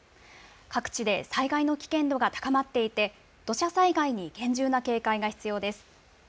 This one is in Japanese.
各地で災害の危険度が高まっていて、土砂災害に厳重な警戒が必要です。